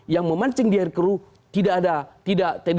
yang memancing di akhir kru tidak ada